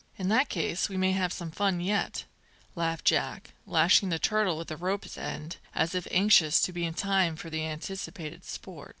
"In that case we may have some fun yet," laughed Jack, lashing the turtle with the rope's end, as if anxious to be in time for the anticipated sport.